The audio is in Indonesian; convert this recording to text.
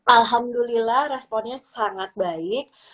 alhamdulillah responnya sangat baik